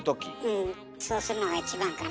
うんそうするのが一番かな。